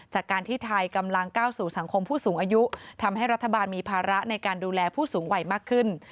จากการที่ไทยกำลังก้าวสู่สังคมผู้สูงอายุทำให้รัฐบาลมีภาระในการดูแลผู้สูงวัยมากขึ้น